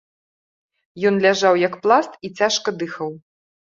Ён ляжаў як пласт і цяжка дыхаў.